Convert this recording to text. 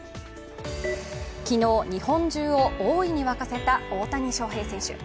昨日、日本中を大いに沸かせた大谷翔平選手。